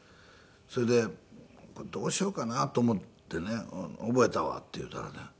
それでこれどうしようかなと思ってね「覚えたわ」って言うたらね